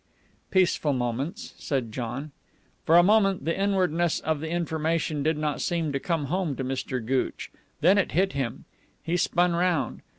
"Peaceful Moments," said John. For a moment the inwardness of the information did not seem to come home to Mr. Gooch. Then it hit him. He spun round.